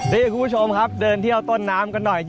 นี่คุณผู้ชมครับเดินเที่ยวต้นน้ำกันหน่อย